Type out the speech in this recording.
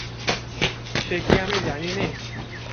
সে কি আমি জানি নে।